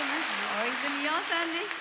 大泉洋さんでした。